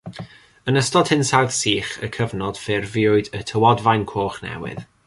Yn ystod hinsawdd sych y cyfnod ffurfiwyd y Tywodfaen Coch Newydd.